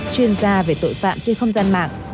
chuyên gia về tội phạm trên không gian mạng